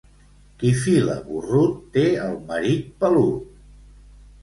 Qui fila borrut té el marit pelut.